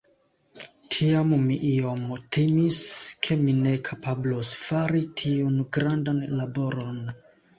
Tiam mi iom timis, ke mi ne kapablos fari tiun grandan laboron.